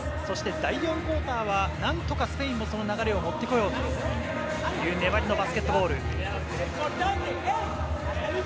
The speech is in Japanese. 第４クオーターは何とかスペインもその流れを持ってこようと粘りのバスケットボール。